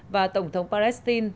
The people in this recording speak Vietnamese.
và tổng thống palestine